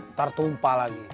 ntar tumpah lagi